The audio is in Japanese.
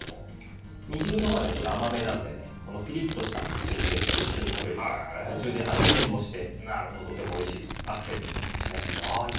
煮汁のほうはちょっと甘めなのでこのピリッとしたチンゲンサイを一緒に食べると途中で味変もしてとてもおいしくアクセントになりますね。